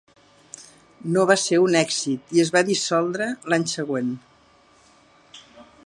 No va ser un èxit i es va dissoldre l'any següent.